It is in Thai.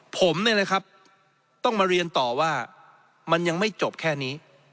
ผมเนี่ยนะครับต้องมาเรียนต่อว่ามันยังไม่จบแค่นี้